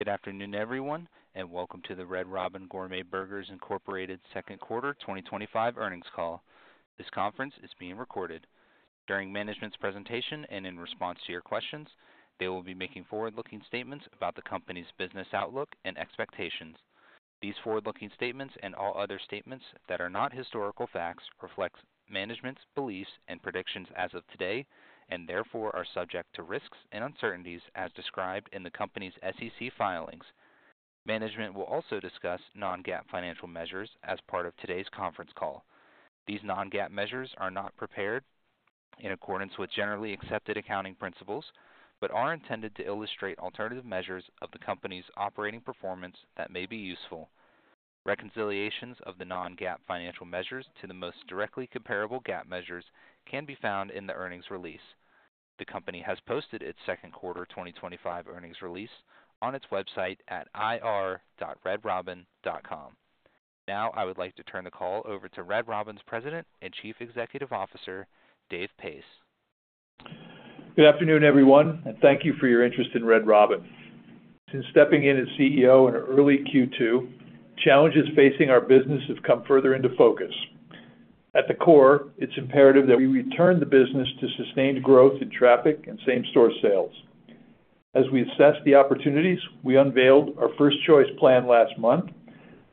Good afternoon, everyone, and welcome to the Red Robin Gourmet Burgers, Inc. Second Quarter 2025 Earnings Call. This conference is being recorded. During management's presentation and in response to your questions, they will be making forward-looking statements about the company's business outlook and expectations. These forward-looking statements and all other statements that are not historical facts reflect management's beliefs and predictions as of today and therefore are subject to risks and uncertainties as described in the company's SEC filings. Management will also discuss non-GAAP financial measures as part of today's conference call. These non-GAAP measures are not prepared in accordance with generally accepted accounting principles but are intended to illustrate alternative measures of the company's operating performance that may be useful. Reconciliations of the non-GAAP financial measures to the most directly comparable GAAP measures can be found in the earnings release. The company has posted its second-quarter 2025 earnings release on its website at ir.redrobin.com. Now, I would like to turn the call over to Red Robin's President and Chief Executive Officer, Dave Pace. Good afternoon, everyone, and thank you for your interest in Red Robin. Since stepping in as CEO in early Q2, challenges facing our business have come further into focus. At the core, it's imperative that we return the business to sustained growth in traffic and same-store sales. As we assessed the opportunities, we unveiled our First Choice plan last month,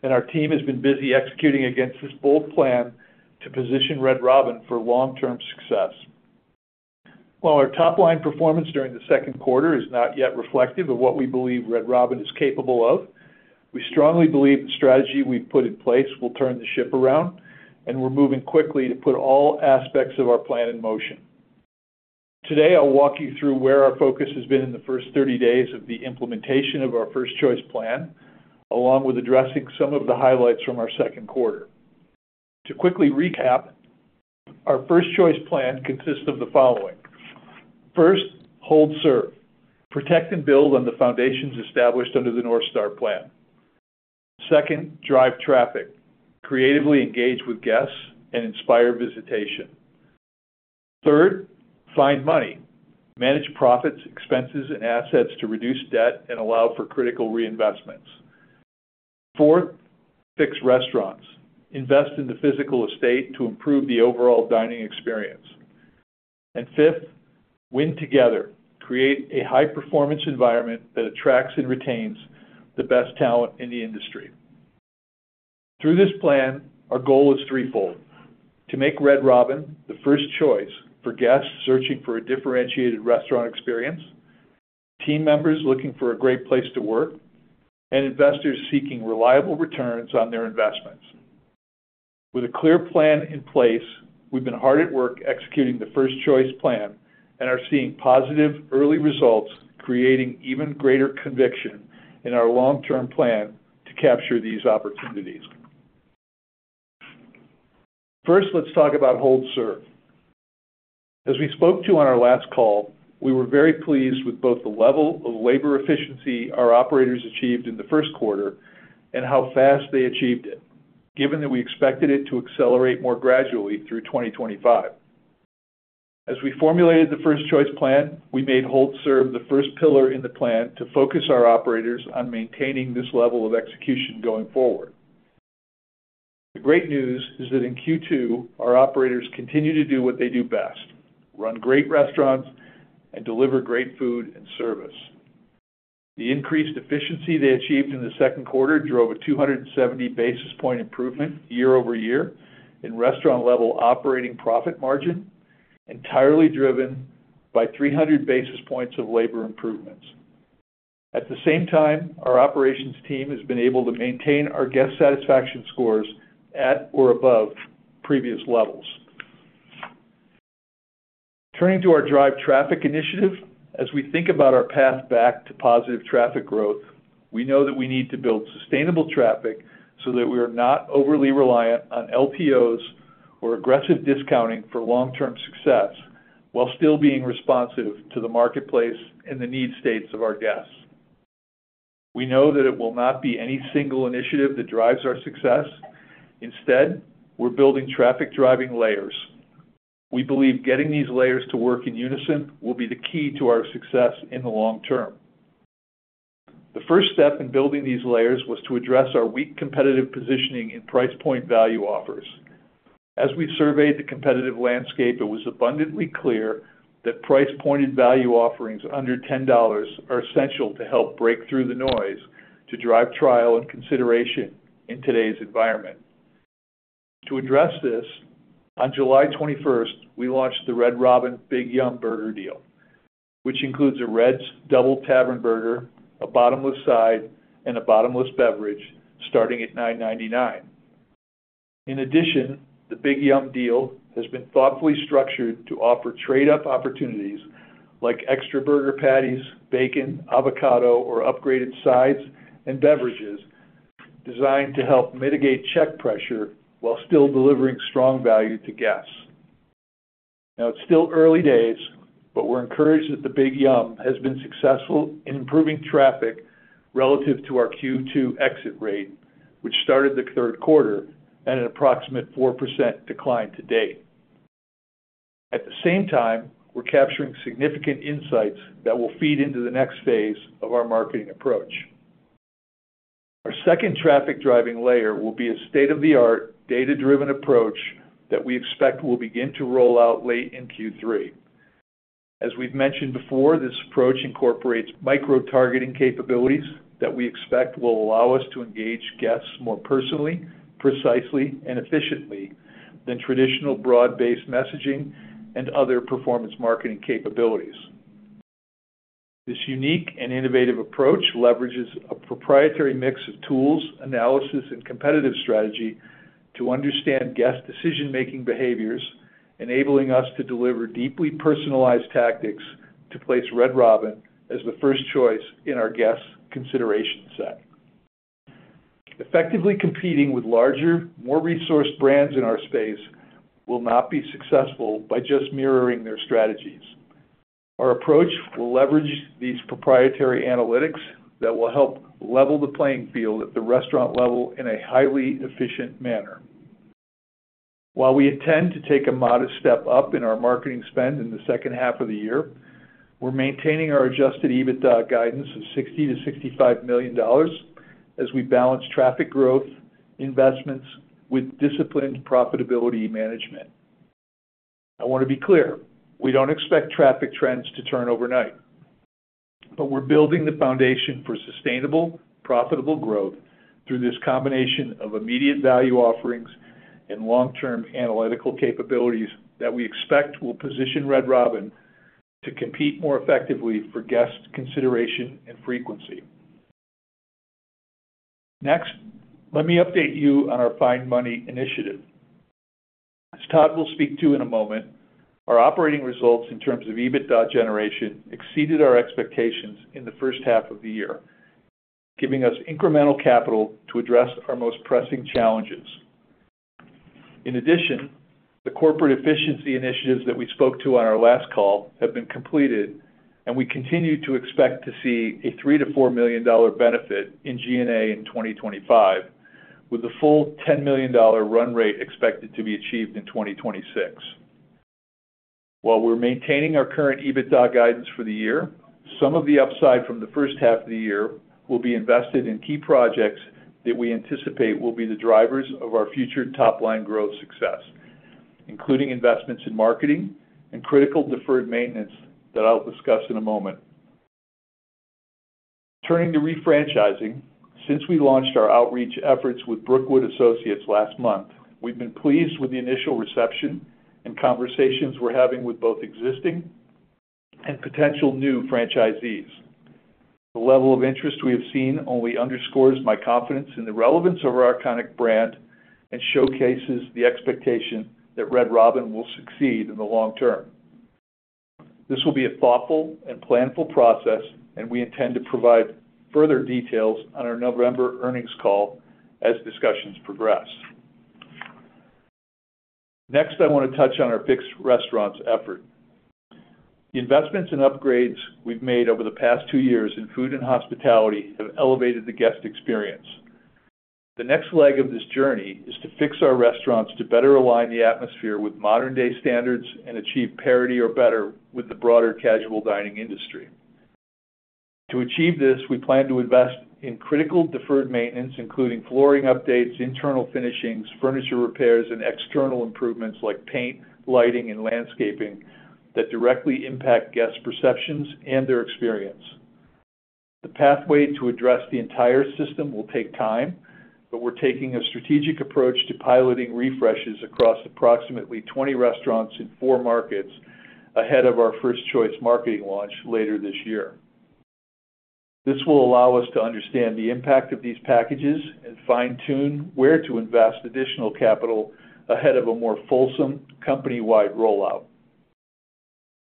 and our team has been busy executing against this bold plan to position Red Robin for long-term success. While our top-line performance during the second quarter is not yet reflective of what we believe Red Robin is capable of, we strongly believe the strategy we've put in place will turn the ship around, and we're moving quickly to put all aspects of our plan in motion. Today, I'll walk you through where our focus has been in the first 30 days of the implementation of our First Choice plan, along with addressing some of the highlights from our second quarter. To quickly recap, our First Choice plan consists of the following: First, hold serve, protect and build on the foundations established under the North Star plan. Second, drive traffic, creatively engage with guests, and inspire visitation. Third, find money, manage profits, expenses, and assets to reduce debt and allow for critical reinvestments. Fourth, fix restaurants, invest in the physical estate to improve the overall dining experience. Fifth, win together, create a high-performance environment that attracts and retains the best talent in the industry. Through this plan, our goal is threefold: to make Red Robin the first choice for guests searching for a differentiated restaurant experience, team members looking for a great place to work, and investors seeking reliable returns on their investments. With a clear plan in place, we've been hard at work executing the First Choice plan and are seeing positive early results, creating even greater conviction in our long-term plan to capture these opportunities. First, let's talk about hold serve. As we spoke to on our last call, we were very pleased with both the level of labor efficiency our operators achieved in the first quarter and how fast they achieved it, given that we expected it to accelerate more gradually through 2025. As we formulated the First Choice plan, we made hold serve the first pillar in the plan to focus our operators on maintaining this level of execution going forward. The great news is that in Q2, our operators continue to do what they do best: run great restaurants and deliver great food and service. The increased efficiency they achieved in the second quarter drove a 270 basis point improvement year-over-year in restaurant-level operating profit margin, entirely driven by 300 basis points of labor improvements. At the same time, our operations team has been able to maintain our guest satisfaction scores at or above previous levels. Turning to our drive traffic initiative, as we think about our path back to positive traffic growth, we know that we need to build sustainable traffic so that we are not overly reliant on LTOs or aggressive discounting for long-term success while still being responsive to the marketplace and the need states of our guests. We know that it will not be any single initiative that drives our success. Instead, we're building traffic-driving layers. We believe getting these layers to work in unison will be the key to our success in the long term. The first step in building these layers was to address our weak competitive positioning in price point value offers. As we surveyed the competitive landscape, it was abundantly clear that price pointed value offerings under $10 are essential to help break through the noise to drive trial and consideration in today's environment. To address this, on July 21st, we launched the Red Robin Big Yumm Burger Deal, which includes a Red's Double Tavern Burger, a bottomless side, and a bottomless beverage starting at $9.99. In addition, the Big Yummm deal has been thoughtfully structured to offer trade-off opportunities like extra burger patties, bacon, avocado, or upgraded sides and beverages designed to help mitigate check pressure while still delivering strong value to guests. Now, it's still early days, but we're encouraged that the Big Yummm has been successful in improving traffic relative to our Q2 exit rate, which started the third quarter at an approximate 4% decline to date. At the same time, we're capturing significant insights that will feed into the next phase of our marketing approach. Our second traffic-driving layer will be a state-of-the-art data-driven approach that we expect will begin to roll out late in Q3. As we've mentioned before, this approach incorporates micro-targeting capabilities that we expect will allow us to engage guests more personally, precisely, and efficiently than traditional broad-based messaging and other performance marketing capabilities. This unique and innovative approach leverages a proprietary mix of tools, analysis, and competitive strategy to understand guest decision-making behaviors, enabling us to deliver deeply personalized tactics to place Red Robin as the first choice in our guest consideration set. Effectively competing with larger, more resourced brands in our space will not be successful by just mirroring their strategies. Our approach will leverage these proprietary analytics that will help level the playing field at the restaurant level in a highly efficient manner. While we intend to take a modest step up in our marketing spend in the second half of the year, we're maintaining our adjusted EBITDA guidance of $60 million-$65 million as we balance traffic growth investments with disciplined profitability management. I want to be clear. We don't expect traffic trends to turn overnight. We're building the foundation for sustainable, profitable growth through this combination of immediate value offerings and long-term analytical capabilities that we expect will position Red Robin to compete more effectively for guest consideration and frequency. Next, let me update you on our Find Money initiative. As Todd will speak to in a moment, our operating results in terms of EBITDA generation exceeded our expectations in the first half of the year, giving us incremental capital to address our most pressing challenges. In addition, the corporate efficiency initiatives that we spoke to on our last call have been completed, and we continue to expect to see a $3 million-$4 million benefit in G&A in 2025, with the full $10 million run rate expected to be achieved in 2026. While we're maintaining our current EBITDA guidance for the year, some of the upside from the first half of the year will be invested in key projects that we anticipate will be the drivers of our future top-line growth success, including investments in marketing and critical deferred maintenance that I'll discuss in a moment. Turning to refranchising, since we launched our outreach efforts with Brookwood Associates last month, we've been pleased with the initial reception and conversations we're having with both existing and potential new franchisees. The level of interest we have seen only underscores my confidence in the relevance of our iconic brand and showcases the expectation that Red Robin will succeed in the long term. This will be a thoughtful and planful process, and we intend to provide further details on our November earnings call as discussions progress. Next, I want to touch on our fixed restaurants effort. The investments and upgrades we've made over the past two years in food and hospitality have elevated the guest experience. The next leg of this journey is to fix our restaurants to better align the atmosphere with modern-day standards and achieve parity or better with the broader casual dining industry. To achieve this, we plan to invest in critical deferred maintenance, including flooring updates, internal finishings, furniture repairs, and external improvements like paint, lighting, and landscaping that directly impact guest perceptions and their experience. The pathway to address the entire system will take time, but we're taking a strategic approach to piloting refreshes across approximately 20 restaurants in four markets ahead of our First Choice marketing launch later this year. This will allow us to understand the impact of these packages and fine-tune where to invest additional capital ahead of a more fulsome company-wide rollout.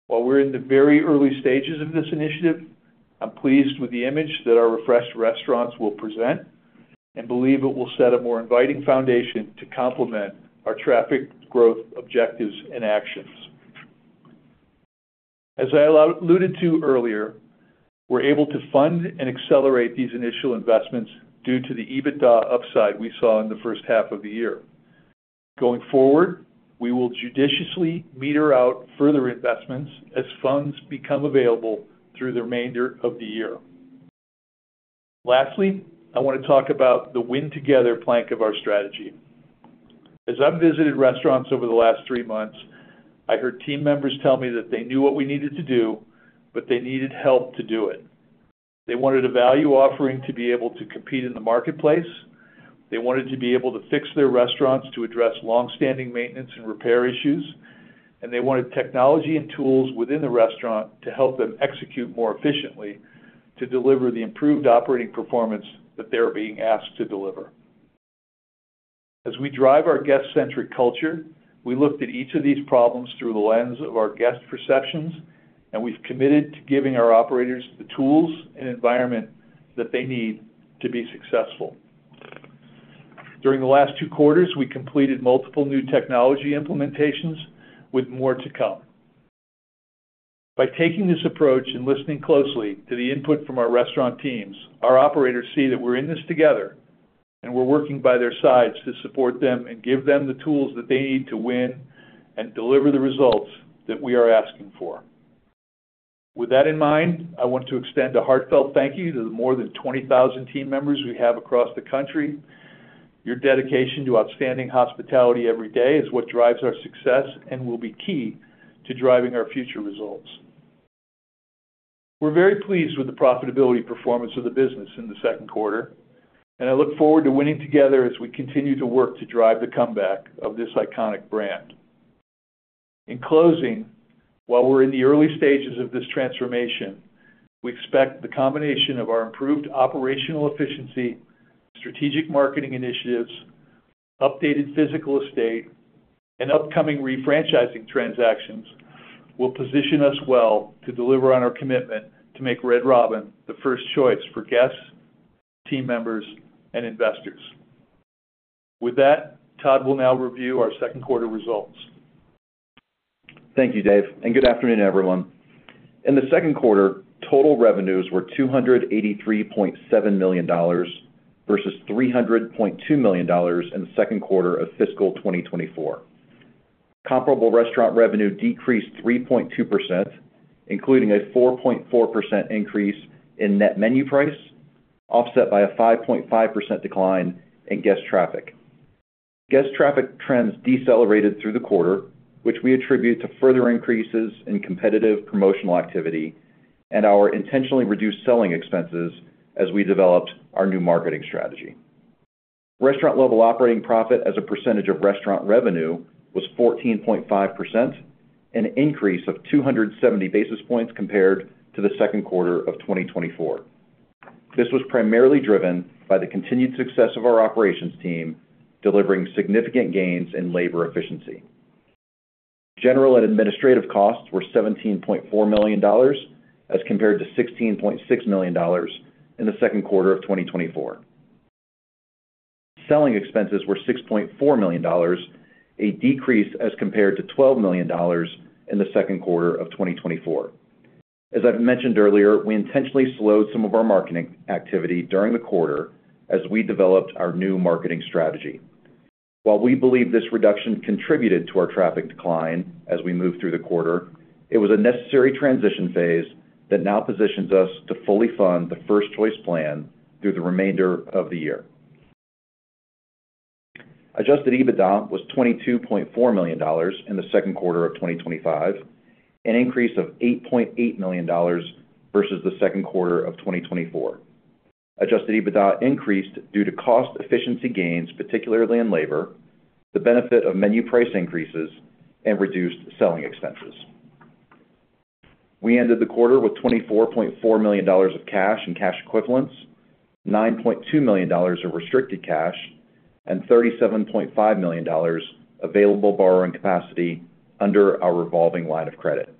While we're in the very early stages of this initiative, I'm pleased with the image that our refreshed restaurants will present and believe it will set a more inviting foundation to complement our traffic growth objectives and actions. As I alluded to earlier, we're able to fund and accelerate these initial investments due to the EBITDA upside we saw in the first half of the year. Going forward, we will judiciously meter out further investments as funds become available through the remainder of the year. Lastly, I want to talk about the win-together plank of our strategy. As I've visited restaurants over the last three months, I heard team members tell me that they knew what we needed to do, but they needed help to do it. They wanted a value offering to be able to compete in the marketplace. They wanted to be able to fix their restaurants to address longstanding maintenance and repair issues, and they wanted technology and tools within the restaurant to help them execute more efficiently to deliver the improved operating performance that they're being asked to deliver. As we drive our guest-centric culture, we looked at each of these problems through the lens of our guest perceptions, and we've committed to giving our operators the tools and environment that they need to be successful. During the last two quarters, we completed multiple new technology implementations, with more to come. By taking this approach and listening closely to the input from our restaurant teams, our operators see that we're in this together, and we're working by their sides to support them and give them the tools that they need to win and deliver the results that we are asking for. With that in mind, I want to extend a heartfelt thank you to the more than 20,000 team members we have across the country. Your dedication to outstanding hospitality every day is what drives our success and will be key to driving our future results. We're very pleased with the profitability performance of the business in the second quarter, and I look forward to winning together as we continue to work to drive the comeback of this iconic brand. In closing, while we're in the early stages of this transformation, we expect the combination of our improved operational efficiency, strategic marketing initiatives, updated physical estate, and upcoming refranchising transactions will position us well to deliver on our commitment to make Red Robin the first choice for guests, team members, and investors. With that, Todd will now review our second quarter results. Thank you, Dave, and good afternoon, everyone. In the second quarter, total revenues were $283.7 million versus $300.2 million in the second quarter of fiscal 2024. Comparable restaurant revenue decreased 3.2%, including a 4.4% increase in net menu price, offset by a 5.5% decline in guest traffic. Guest traffic trends decelerated through the quarter, which we attribute to further increases in competitive promotional activity and our intentionally reduced selling expenses as we developed our new marketing strategy. Restaurant-level operating profit as a percentage of restaurant revenue was 14.5%, an increase of 270 basis points compared to the second quarter of 2024. This was primarily driven by the continued success of our operations team, delivering significant gains in labor efficiency. General and administrative costs were $17.4 million as compared to $16.6 million in the second quarter of 2024. Selling expenses were $6.4 million, a decrease as compared to $12 million in the second quarter of 2024. As I've mentioned earlier, we intentionally slowed some of our marketing activity during the quarter as we developed our new marketing strategy. While we believe this reduction contributed to our traffic decline as we moved through the quarter, it was a necessary transition phase that now positions us to fully fund the First Choice plan through the remainder of the year. Adjusted EBITDA was $22.4 million in the second quarter of 2025, an increase of $8.8 million versus the second quarter of 2024. Adjusted EBITDA increased due to cost efficiency gains, particularly in labor, the benefit of menu price increases, and reduced selling expenses. We ended the quarter with $24.4 million of cash and cash equivalents, $9.2 million of restricted cash, and $37.5 million available borrowing capacity under our revolving line of credit.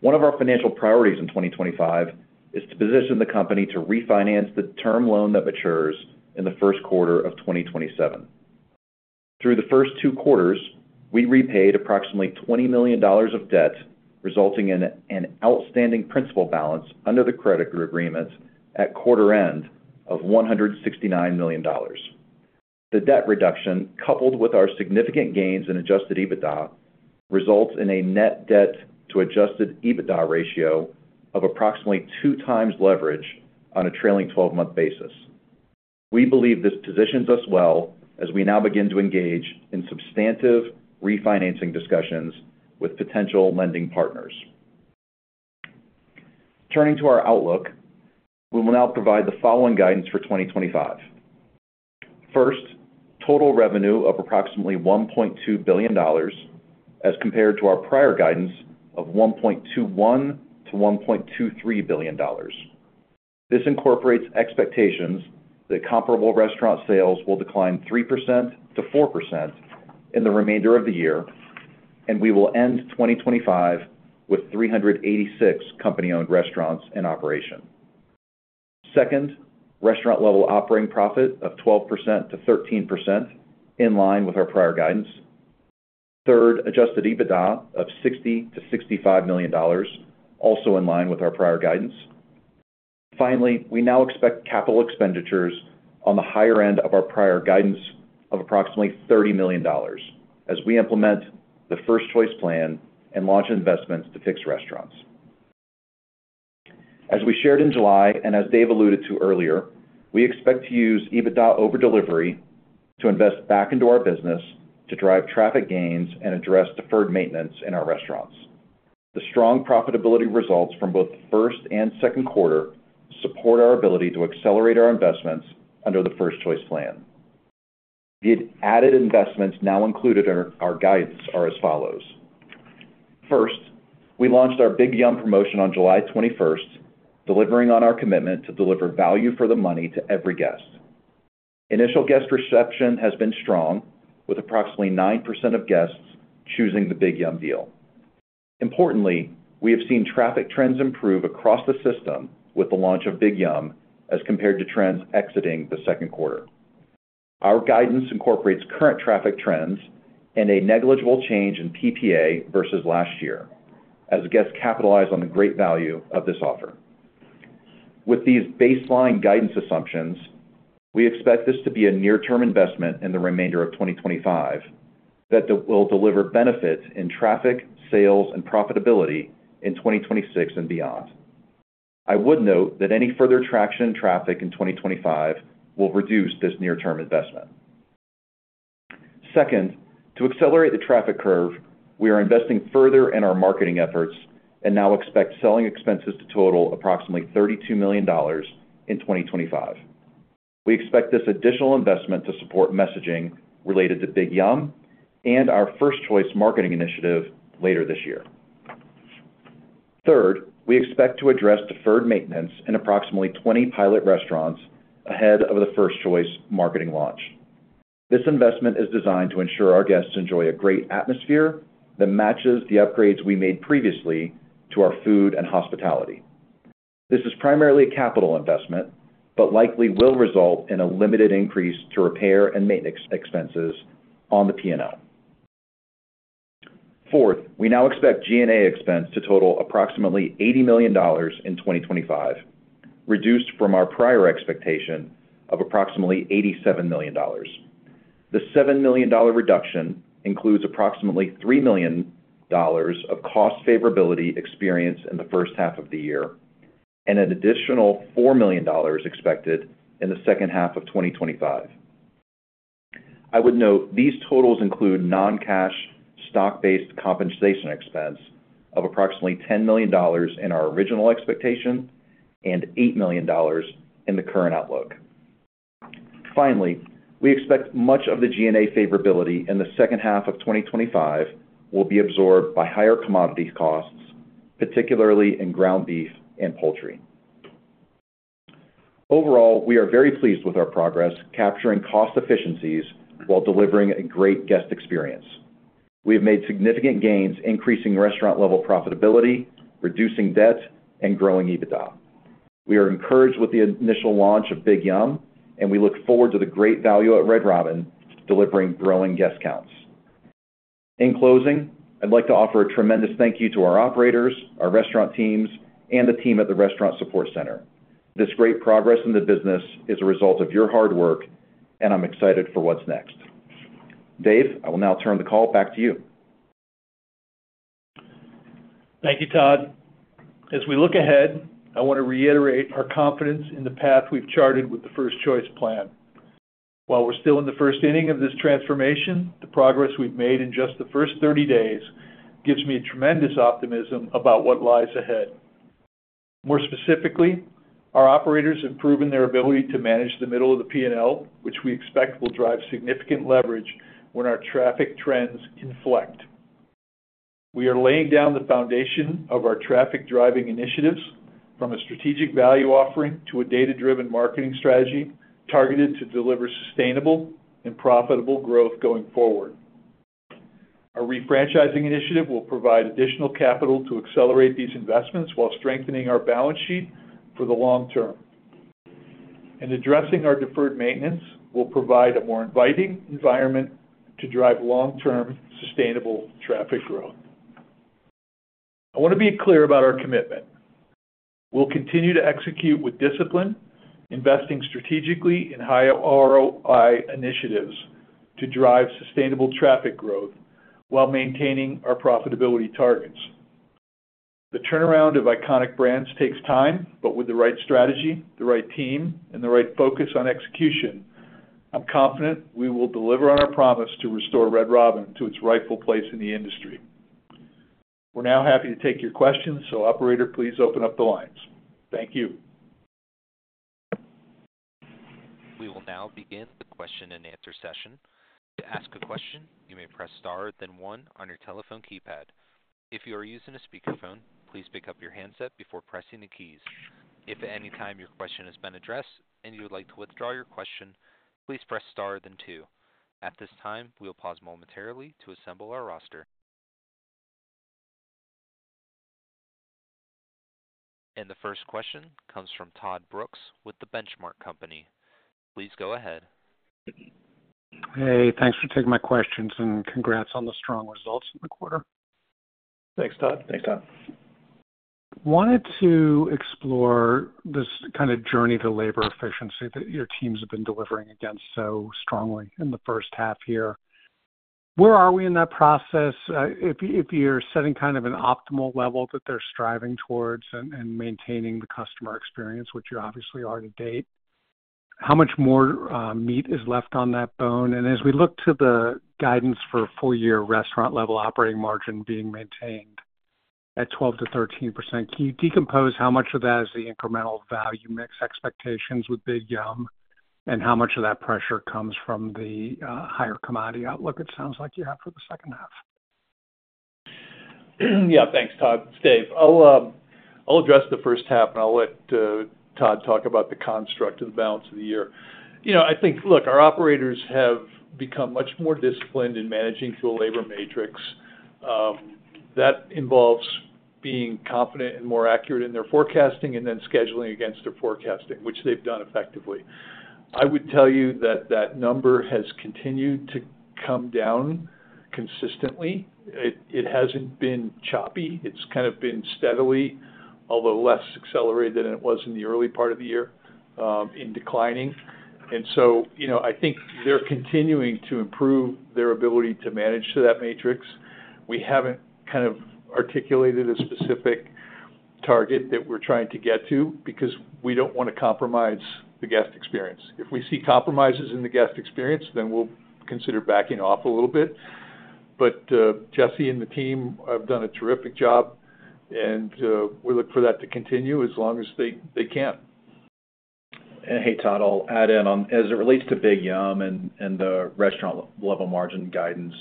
One of our financial priorities in 2025 is to position the company to refinance the term loan that matures in the first quarter of 2027. Through the first two quarters, we repaid approximately $20 million of debt, resulting in an outstanding principal balance under the credit agreement at quarter end of $169 million. The debt reduction, coupled with our significant gains in adjusted EBITDA, results in a net debt to adjusted EBITDA ratio of approximately two times leverage on a trailing 12-month basis. We believe this positions us well as we now begin to engage in substantive refinancing discussions with potential lending partners. Turning to our outlook, we will now provide the following guidance for 2025. First, total revenue of approximately $1.2 billion as compared to our prior guidance of $1.21 billion-$1.23 billion. This incorporates expectations that comparable restaurant sales will decline 3%-4% in the remainder of the year, and we will end 2025 with 386 company-owned restaurants in operation. Second, restaurant-level operating profit of 12%-13% in line with our prior guidance. Third, adjusted EBITDA of $60 million-$65 million, also in line with our prior guidance. Finally, we now expect capital expenditures on the higher end of our prior guidance of approximately $30 million as we implement the First Choice plan and launch investments to fix restaurants. As we shared in July and as Dave alluded to earlier, we expect to use EBITDA over delivery to invest back into our business to drive traffic gains and address deferred maintenance in our restaurants. The strong profitability results from both the first and second quarter support our ability to accelerate our investments under the First Choice plan. The added investments now included in our guidance are as follows. First, we launched our Big Yummm promotion on July 21st, delivering on our commitment to deliver value for the money to every guest. Initial guest reception has been strong, with approximately 9% of guests choosing the Big Yummm deal. Importantly, we have seen traffic trends improve across the system with the launch of Big Yummm as compared to trends exiting the second quarter. Our guidance incorporates current traffic trends and a negligible change in PPA versus last year as guests capitalize on the great value of this offer. With these baseline guidance assumptions, we expect this to be a near-term investment in the remainder of 2025 that will deliver benefits in traffic, sales, and profitability in 2026 and beyond. I would note that any further traction in traffic in 2025 will reduce this near-term investment. Second, to accelerate the traffic curve, we are investing further in our marketing efforts and now expect selling expenses to total approximately $32 million in 2025. We expect this additional investment to support messaging related to Big Yummm and our First Choice marketing initiative later this year. Third, we expect to address deferred maintenance in approximately 20 pilot restaurants ahead of the First Choice marketing launch. This investment is designed to ensure our guests enjoy a great atmosphere that matches the upgrades we made previously to our food and hospitality. This is primarily a capital investment, but likely will result in a limited increase to repair and maintenance expenses on the P&L. Fourth, we now expect G&A expense to total approximately $80 million in 2025, reduced from our prior expectation of approximately $87 million. The $7 million reduction includes approximately $3 million of cost favorability experienced in the first half of the year and an additional $4 million expected in the second half of 2025. I would note these totals include non-cash stock-based compensation expense of approximately $10 million in our original expectation and $8 million in the current outlook. Finally, we expect much of the G&A favorability in the second half of 2025 will be absorbed by higher commodity costs, particularly in ground beef and poultry. Overall, we are very pleased with our progress, capturing cost efficiencies while delivering a great guest experience. We have made significant gains, increasing restaurant-level profitability, reducing debt, and growing EBITDA. We are encouraged with the initial launch of Big Yummm, and we look forward to the great value at Red Robin delivering growing guest counts. In closing, I'd like to offer a tremendous thank you to our operators, our restaurant teams, and the team at the Restaurant Support Center. This great progress in the business is a result of your hard work, and I'm excited for what's next. Dave, I will now turn the call back to you. Thank you, Todd. As we look ahead, I want to reiterate our confidence in the path we've charted with the First Choice plan. While we're still in the first inning of this transformation, the progress we've made in just the first 30 days gives me tremendous optimism about what lies ahead. More specifically, our operators have proven their ability to manage the middle of the P&L, which we expect will drive significant leverage when our traffic trends inflect. We are laying down the foundation of our traffic-driving initiatives, from a strategic value offering to a data-driven marketing strategy targeted to deliver sustainable and profitable growth going forward. Our refranchising initiative will provide additional capital to accelerate these investments while strengthening our balance sheet for the long term. Addressing our deferred maintenance will provide a more inviting environment to drive long-term sustainable traffic growth. I want to be clear about our commitment. We'll continue to execute with discipline, investing strategically in high ROI initiatives to drive sustainable traffic growth while maintaining our profitability targets. The turnaround of iconic brands takes time, but with the right strategy, the right team, and the right focus on execution, I'm confident we will deliver on our promise to restore Red Robin to its rightful place in the industry. We're now happy to take your questions, so operator, please open up the lines. Thank you. We will now begin the question-and-answer session. To ask a question, you may press star, then one on your telephone keypad. If you are using a speakerphone, please pick up your handset before pressing the keys. If at any time your question has been addressed and you would like to withdraw your question, please press star, then two. At this time, we will pause momentarily to assemble our roster. The first question comes from Todd Brooks with The Benchmark Company. Please go ahead. Hey, thanks for taking my questions, and congrats on the strong results in the quarter. Thanks, Todd. Thanks, Todd. Wanted to explore this kind of journey to labor efficiency that your teams have been delivering against so strongly in the first half here. Where are we in that process? If you're setting kind of an optimal level that they're striving towards and maintaining the customer experience, which you obviously are to date, how much more meat is left on that bone? As we look to the guidance for a full-year restaurant-level operating margin being maintained at 12%-13%, can you decompose how much of that is the incremental value mix expectations with Big Yummm and how much of that pressure comes from the higher commodity outlook it sounds like you have for the second half? Yeah, thanks, Todd. Dave, I'll address the first half and I'll let Todd talk about the construct of the balance of the year. I think our operators have become much more disciplined in managing through a labor matrix. That involves being confident and more accurate in their forecasting and then scheduling against their forecasting, which they've done effectively. I would tell you that number has continued to come down consistently. It hasn't been choppy. It's been steadily, although less accelerated than it was in the early part of the year, in declining. I think they're continuing to improve their ability to manage that matrix. We haven't articulated a specific target that we're trying to get to because we don't want to compromise the guest experience. If we see compromises in the guest experience, then we'll consider backing off a little bit. Jesse and the team have done a terrific job, and we look for that to continue as long as they can. Hey, Todd, I'll add in on as it relates to Big Yummm and the restaurant-level margin guidance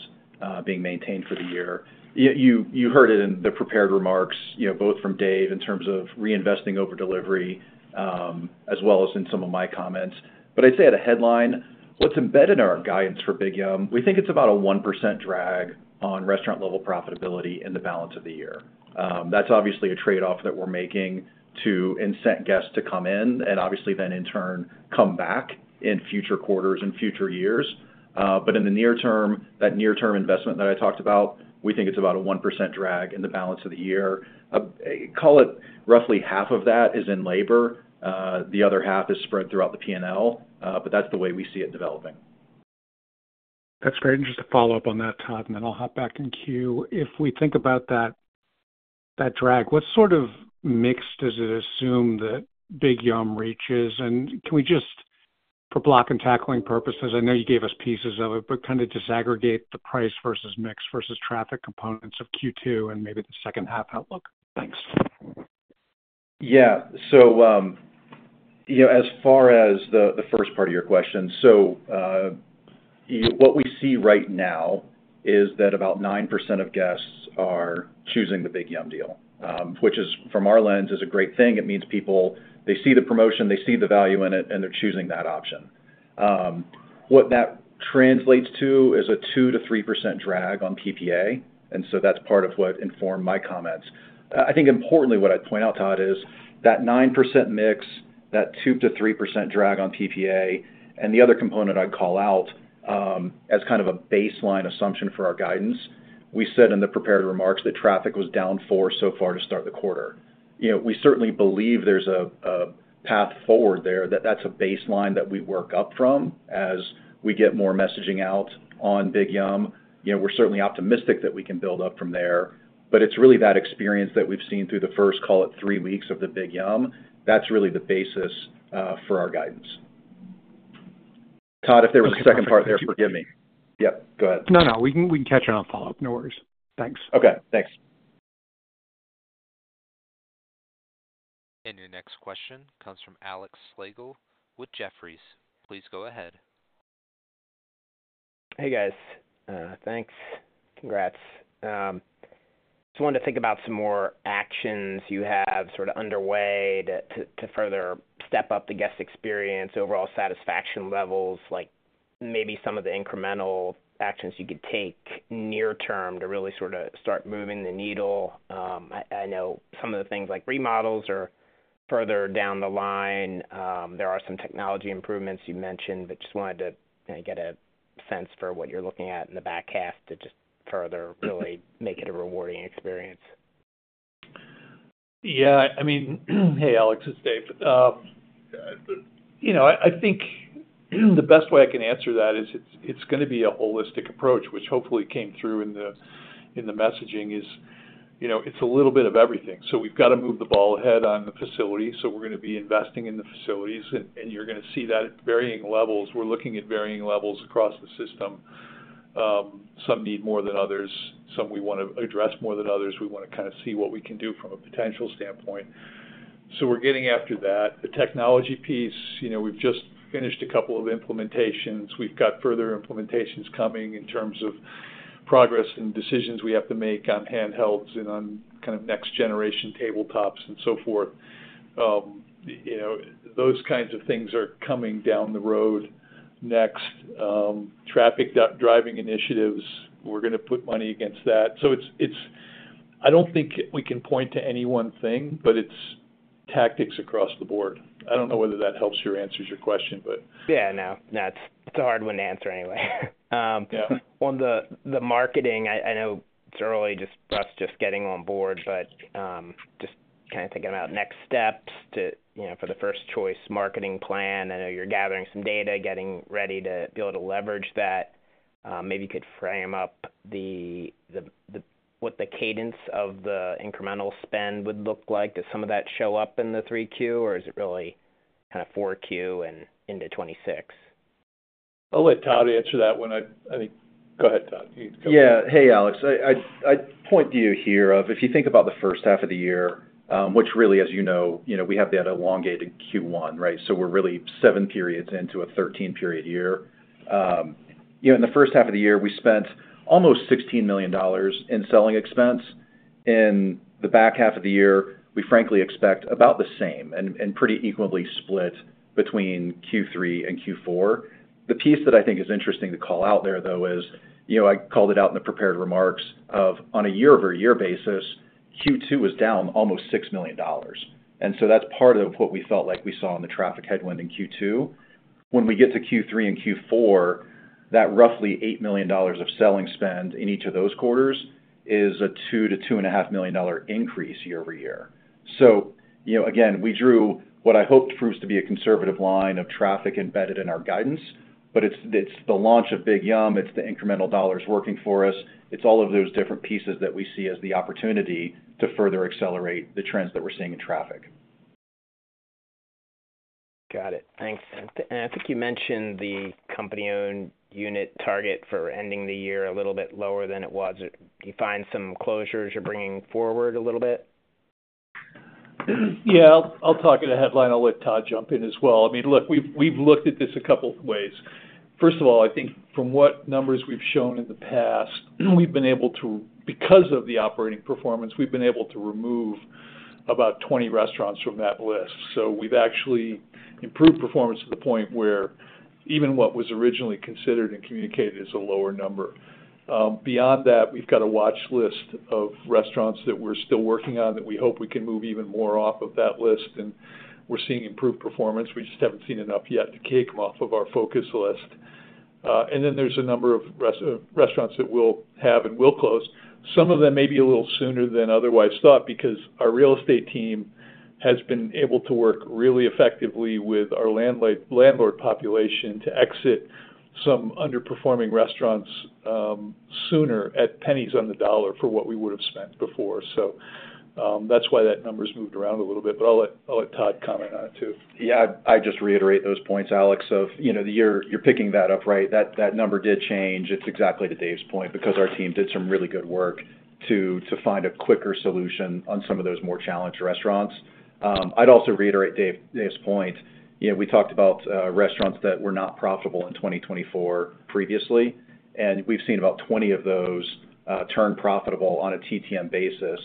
being maintained for the year. You heard it in the prepared remarks, both from Dave in terms of reinvesting over delivery, as well as in some of my comments. I'd say at a headline, what's embedded in our guidance for Big Yummm, we think it's about a 1% drag on restaurant-level profitability in the balance of the year. That's obviously a trade-off that we're making to incent guests to come in and then in turn come back in future quarters and future years. In the near term, that near-term investment that I talked about, we think it's about a 1% drag in the balance of the year. Call it roughly half of that is in labor. The other half is spread throughout the P&L, but that's the way we see it developing. That's great. Just to follow up on that, Todd, then I'll hop back in queue. If we think about that drag, what sort of mix does it assume that Big Yummm reaches? Can we just, for block and tackling purposes, I know you gave us pieces of it, but kind of disaggregate the price versus mix versus traffic components of Q2 and maybe the second half outlook? Thanks. Yeah, as far as the first part of your question, what we see right now is that about 9% of guests are choosing the Big Yummm deal, which is, from our lens, a great thing. It means people see the promotion, they see the value in it, and they're choosing that option. What that translates to is a 2%-3% drag on PPA. That's part of what informed my comments. I think, importantly, what I'd point out, Todd, is that 9% mix, that 2%-3% drag on PPA, and the other component I'd call out as kind of a baseline assumption for our guidance. We said in the prepared remarks that traffic was down 4% so far to start the quarter. We certainly believe there's a path forward there, that that's a baseline that we work up from as we get more messaging out on Big Yummm. We're certainly optimistic that we can build up from there, but it's really that experience that we've seen through the first, call it, three weeks of the Big Yummm. That's really the basis for our guidance. Todd, if there was a second part there, forgive me. Yeah, go ahead. No, we can catch it on follow-up. No worries. Thanks. Okay, thanks. Your next question comes from Alex Slagle with Jefferies. Please go ahead. Hey guys, thanks. Congrats. I just wanted to think about some more actions you have underway to further step up the guest experience, overall satisfaction levels, like maybe some of the incremental actions you could take near term to really start moving the needle. I know some of the things like remodels are further down the line. There are some technology improvements you mentioned, but just wanted to get a sense for what you're looking at in the back half to further really make it a rewarding experience. Yeah, I mean, hey Alex, it's Dave. I think the best way I can answer that is it's going to be a holistic approach, which hopefully came through in the messaging. It's a little bit of everything. We've got to move the ball ahead on the facilities. We're going to be investing in the facilities and you're going to see that at varying levels. We're looking at varying levels across the system. Some need more than others. Some we want to address more than others. We want to kind of see what we can do from a potential standpoint. We're getting after that. The technology piece, we've just finished a couple of implementations. We've got further implementations coming in terms of progress and decisions we have to make on handhelds and on kind of next generation tabletops and so forth. Those kinds of things are coming down the road next. Traffic driving initiatives, we're going to put money against that. I don't think we can point to any one thing, but it's tactics across the board. I don't know whether that helps your answer to your question, but. Yeah, that's a hard one to answer anyway. On the marketing, I know it's early for us just getting on board, but just kind of thinking about next steps for the First Choice marketing plan. I know you're gathering some data, getting ready to be able to leverage that. Maybe you could frame up what the cadence of the incremental spend would look like. Does some of that show up in the 3Q or is it really kind of 4Q and into 2026? I'll let Todd answer that one. I think you can go ahead, Todd. Yeah, hey Alex, I'd point to you here if you think about the first half of the year, which really, as you know, we have the other elongated Q1, right? We're really seven periods into a 13-period year. In the first half of the year, we spent almost $16 million in selling expense. In the back half of the year, we frankly expect about the same and pretty equally split between Q3 and Q4. The piece that I think is interesting to call out there, though, is I called it out in the prepared remarks, on a year-over-year basis, Q2 was down almost $6 million. That's part of what we felt like we saw in the traffic headwind in Q2. When we get to Q3 and Q4, that roughly $8 million of selling spend in each of those quarters is a $2 million-$2.5 million increase year-over-year. Again, we drew what I hoped proves to be a conservative line of traffic embedded in our guidance, but it's the launch of Big Yummm. It's the incremental dollars working for us. It's all of those different pieces that we see as the opportunity to further accelerate the trends that we're seeing in traffic. Got it. Thanks. I think you mentioned the company-owned unit target for ending the year a little bit lower than it was. Do you find some closures you're bringing forward a little bit? Yeah, I'll talk in a headline. I'll let Todd jump in as well. I mean, look, we've looked at this a couple of ways. First of all, I think from what numbers we've shown in the past, we've been able to, because of the operating performance, we've been able to remove about 20 restaurants from that list. We've actually improved performance to the point where even what was originally considered and communicated is a lower number. Beyond that, we've got a watch list of restaurants that we're still working on that we hope we can move even more off of that list. We're seeing improved performance. We just haven't seen enough yet to kick them off of our focus list. There's a number of restaurants that we'll have and will close. Some of them may be a little sooner than otherwise thought because our real estate team has been able to work really effectively with our landlord population to exit some underperforming restaurants sooner at pennies on the dollar for what we would have spent before. That's why that number's moved around a little bit, but I'll let Todd comment on it too. Yeah, I'd just reiterate those points, Alex, of, you know, you're picking that up, right? That number did change. It's exactly to Dave's point because our team did some really good work to find a quicker solution on some of those more challenged restaurants. I'd also reiterate Dave's point. You know, we talked about restaurants that were not profitable in 2024 previously, and we've seen about 20 of those turn profitable on a TTM basis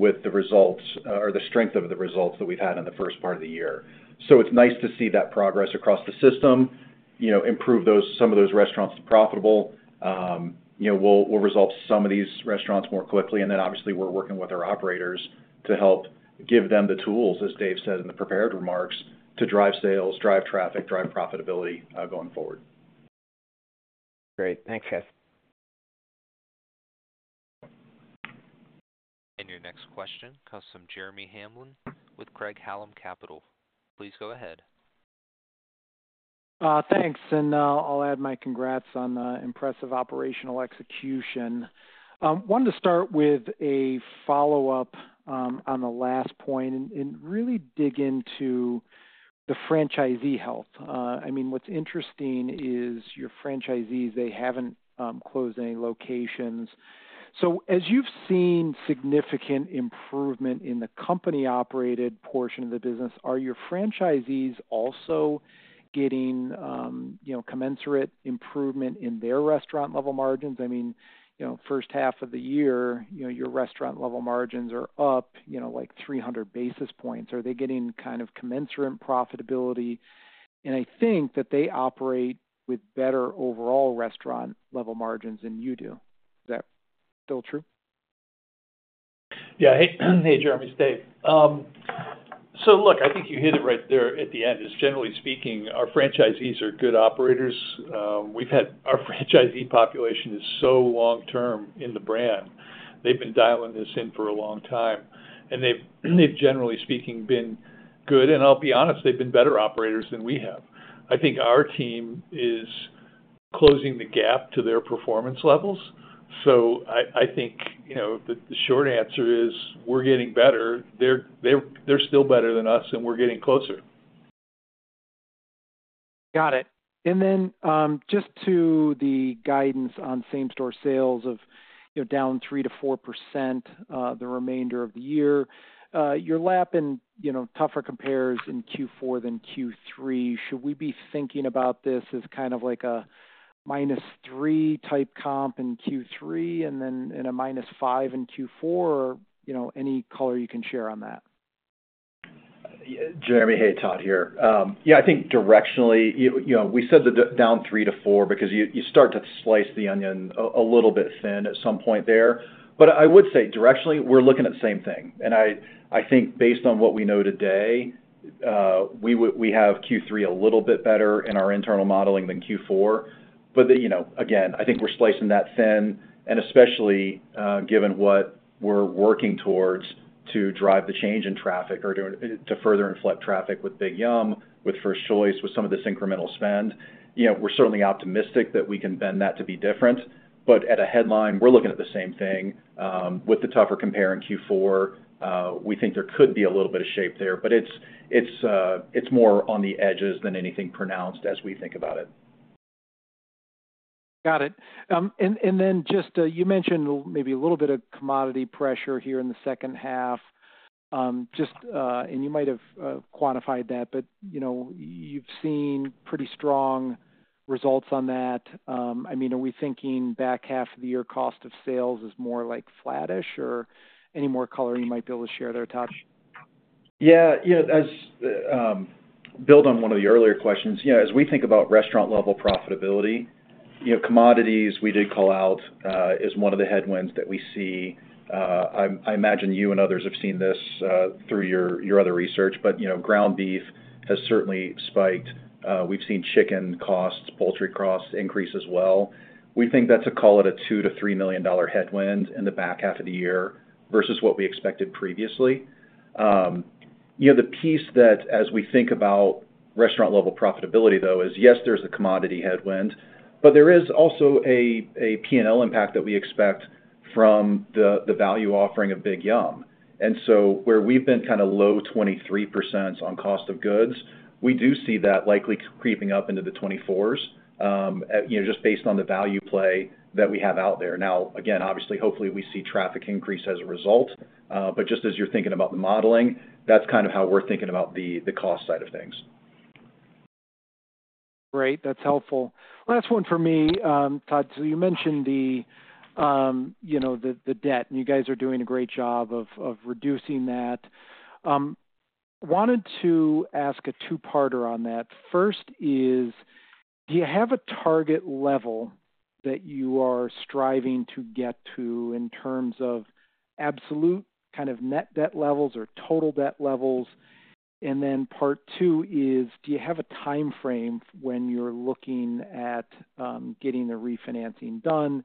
with the results or the strength of the results that we've had in the first part of the year. It's nice to see that progress across the system, improve some of those restaurants to profitable. You know, we'll resolve some of these restaurants more quickly. Obviously, we're working with our operators to help give them the tools, as Dave said in the prepared remarks, to drive sales, drive traffic, drive profitability going forward. Great. Thanks, guys. Your next question comes from Jeremy Hamblin with Craig-Hallum Capital. Please go ahead. Thanks. I'll add my congrats on the impressive operational execution. I wanted to start with a follow-up on the last point and really dig into the franchisee health. What's interesting is your franchisees haven't closed any locations. As you've seen significant improvement in the company-operated portion of the business, are your franchisees also getting commensurate improvement in their restaurant-level margins? First half of the year, your restaurant-level margins are up, like 300 basis points. Are they getting kind of commensurate profitability? I think that they operate with better overall restaurant-level margins than you do. Is that still true? Yeah, hey Jeremy, it's Dave. I think you hit it right there at the end. Generally speaking, our franchisees are good operators. Our franchisee population is so long-term in the brand. They've been dialing this in for a long time. They've generally been good. I'll be honest, they've been better operators than we have. I think our team is closing the gap to their performance levels. I think the short answer is we're getting better. They're still better than us and we're getting closer. Got it. To the guidance on same-store sales of down 3%-4% the remainder of the year, you're lapping tougher compares in Q4 than Q3. Should we be thinking about this as kind of like a -3% type comp in Q3 and then a -5% in Q4, or any color you can share on that? Jeremy, hey, Todd here. I think directionally, you know, we said the down 3%-4% because you start to slice the onion a little bit thin at some point there. I would say directionally, we're looking at the same thing. I think based on what we know today, we have Q3 a little bit better in our internal modeling than Q4. I think we're slicing that thin, especially given what we're working towards to drive the change in traffic or to further inflect traffic with Big Yummm, with First Choice, with some of this incremental spend. We're certainly optimistic that we can bend that to be different. At a headline, we're looking at the same thing with the tougher compare in Q4. We think there could be a little bit of shape there, but it's more on the edges than anything pronounced as we think about it. Got it. You mentioned maybe a little bit of commodity pressure here in the second half. You might have quantified that, but you've seen pretty strong results on that. Are we thinking back half of the year cost of sales is more like flattish or any more color you might be able to share there, Todd? Yeah, as built on one of the earlier questions, as we think about restaurant-level profitability, commodities we did call out as one of the headwinds that we see. I imagine you and others have seen this through your other research, but ground beef has certainly spiked. We've seen chicken costs, poultry costs increase as well. We think that's a, call it, a $2 million-$3 million headwind in the back half of the year versus what we expected previously. The piece that, as we think about restaurant-level profitability, though, is yes, there's a commodity headwind, but there is also a P&L impact that we expect from the value offering of Big Yummm. Where we've been kind of low 23% on cost of goods, we do see that likely creeping up into the 2024s, just based on the value play that we have out there. Now, again, obviously, hopefully we see traffic increase as a result. Just as you're thinking about the modeling, that's kind of how we're thinking about the cost side of things. Great, that's helpful. Last one for me, Todd. You mentioned the debt and you guys are doing a great job of reducing that. I wanted to ask a two-parter on that. First, do you have a target level that you are striving to get to in terms of absolute kind of net debt levels or total debt levels? Part two is, do you have a timeframe when you're looking at getting the refinancing done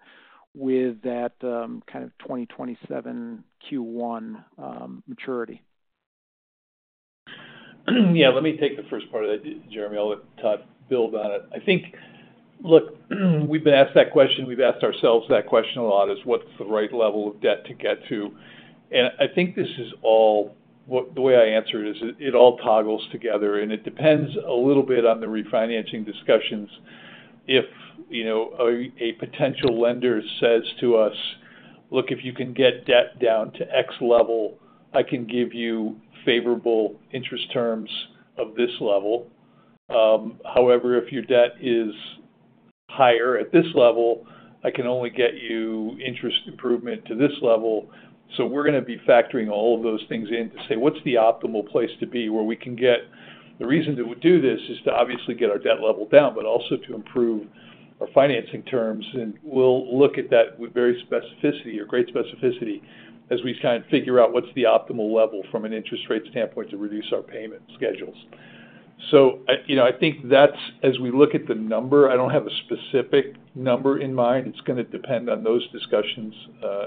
with that kind of 2027 Q1 maturity? Yeah, let me take the first part of that, Jeremy. I'll let Todd build on it. I think, look, we've been asked that question. We've asked ourselves that question a lot: what's the right level of debt to get to? I think this is all, the way I answer it is it all toggles together and it depends a little bit on the refinancing discussions. If a potential lender says to us, "Look, if you can get debt down to x level, I can give you favorable interest terms of this level. However, if your debt is higher at this level, I can only get you interest improvement to this level." We're going to be factoring all of those things in to say what's the optimal place to be where we can get. The reason to do this is to obviously get our debt level down, but also to improve our financing terms. We'll look at that with great specificity as we kind of figure out what's the optimal level from an interest rate standpoint to reduce our payment schedules. I think as we look at the number, I don't have a specific number in mind. It's going to depend on those discussions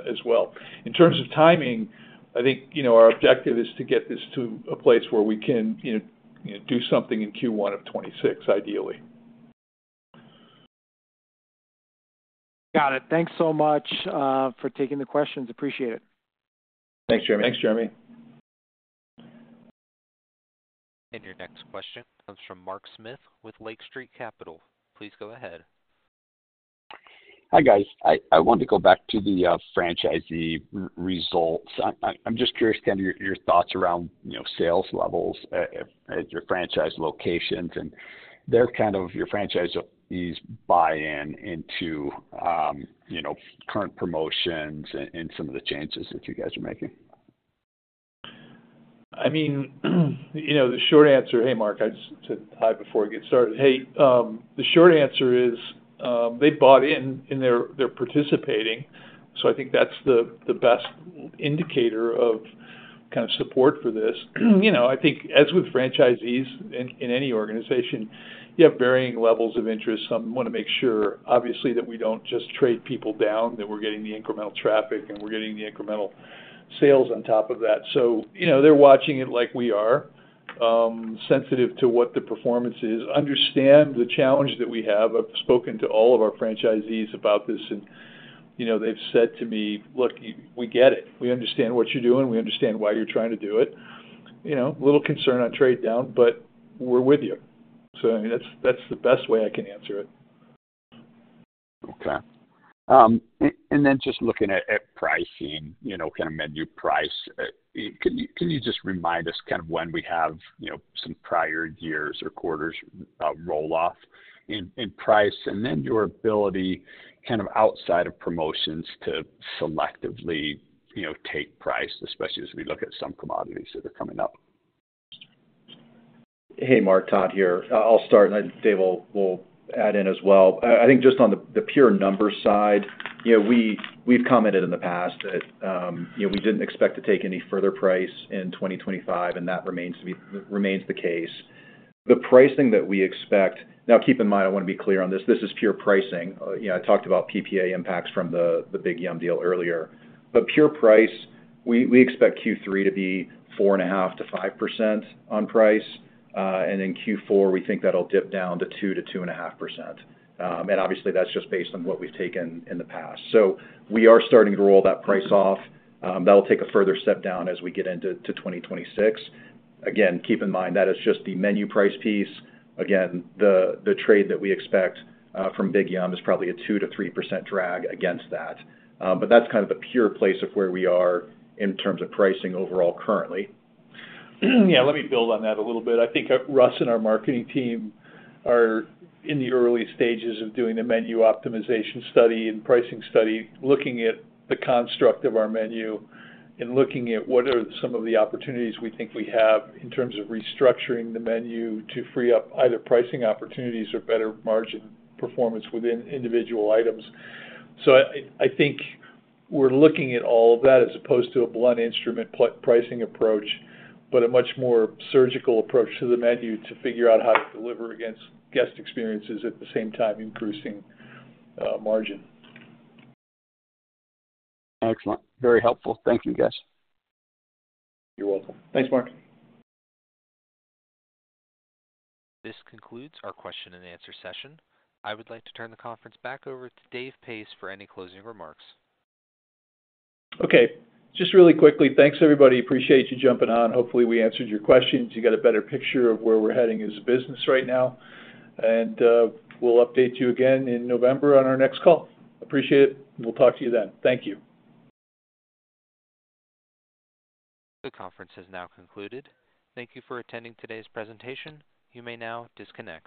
as well. In terms of timing, I think our objective is to get this to a place where we can do something in Q1 of 2026 ideally. Got it. Thanks so much for taking the questions. Appreciate it. Thanks, Jeremy. Thanks, Jeremy. Your next question comes from Mark Smith with Lake Street Capital. Please go ahead. Hi guys, I wanted to go back to the franchisee results. I'm just curious, kind of your thoughts around, you know, sales levels at your franchise locations and their, kind of your franchisees' buy-in into, you know, current promotions and some of the changes that you guys are making. I mean, the short answer, hey Mark, I just said hi before we get started. Hey, the short answer is they bought in and they're participating. I think that's the best indicator of kind of support for this. I think as with franchisees in any organization, you have varying levels of interest. Some want to make sure, obviously, that we don't just trade people down, that we're getting the incremental traffic and we're getting the incremental sales on top of that. They're watching it like we are, sensitive to what the performance is, understand the challenge that we have. I've spoken to all of our franchisees about this and they've said to me, "Look, we get it. We understand what you're doing. We understand why you're trying to do it. You know, a little concern on trade down, but we're with you." That's the best way I can answer it. Okay. Just looking at pricing, you know, kind of menu price, can you just remind us kind of when we have some prior years or quarters roll off in price, and then your ability kind of outside of promotions to selectively, you know, take price, especially as we look at some commodities that are coming up? Hey Mark, Todd here. I'll start and Dave will add in as well. Just on the pure numbers side, we've commented in the past that we didn't expect to take any further price in 2025 and that remains to be the case. The pricing that we expect, now keep in mind, I want to be clear on this, this is pure pricing. I talked about PPA impacts from the Big Yumm Deal earlier. Pure price, we expect Q3 to be 4.5%-5% on price. In Q4, we think that'll dip down to 2%-2.5%. Obviously, that's just based on what we've taken in the past. We are starting to roll that price off. That'll take a further step down as we get into 2026. Again, keep in mind that is just the menu price piece. The trade that we expect from Big Yummm Burger is probably a 2%-3% drag against that. That's kind of the pure place of where we are in terms of pricing overall currently. Let me build on that a little bit. I think Russ and our marketing team are in the early stages of doing a menu optimization study and pricing study, looking at the construct of our menu and looking at what are some of the opportunities we think we have in terms of restructuring the menu to free up either pricing opportunities or better margin performance within individual items. I think we're looking at all of that as opposed to a blunt instrument pricing approach, but a much more surgical approach to the menu to figure out how to deliver against guest experiences at the same time increasing margin. Excellent. Very helpful. Thank you, guys. You're welcome. Thanks, Mark. This concludes our question and answer session. I would like to turn the conference back over to Dave Pace for any closing remarks. Okay. Just really quickly, thanks everybody. Appreciate you jumping on. Hopefully, we answered your questions. You got a better picture of where we're heading as a business right now. We'll update you again in November on our next call. Appreciate it. We'll talk to you then. Thank you. The conference has now concluded. Thank you for attending today's presentation. You may now disconnect.